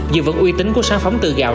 dù vẫn uy tính của sản phẩm từ gạo